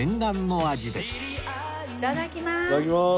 いただきます。